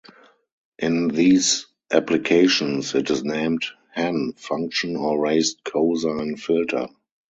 In these applications, it is named Hann function or raised-cosine filter.